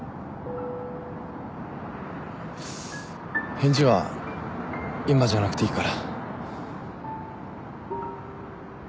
返事は今じゃなくていいから。